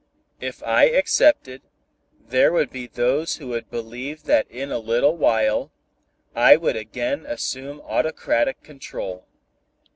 If I accepted, there would be those who would believe that in a little while, I would again assume autocratic control.